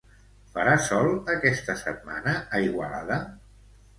Farà sol aquesta setmana a Igualada?